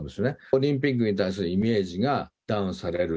オリンピックに対するイメージがダウンされる。